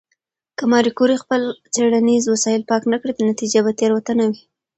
که ماري کوري خپل څېړنیز وسایل پاک نه کړي، نتیجه به تېروتنه وي.